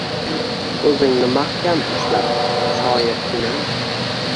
O‘zingni mahkam ushla, shoir inim!»